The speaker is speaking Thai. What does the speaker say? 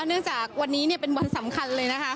เนื่องจากวันนี้เป็นวันสำคัญเลยนะคะ